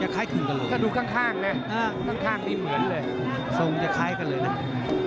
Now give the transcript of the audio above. ที่ดูข้างก็เหมือนหนึ่ง